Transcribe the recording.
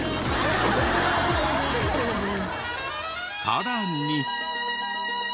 さらに。